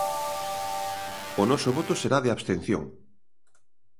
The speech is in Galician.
O noso voto será de abstención.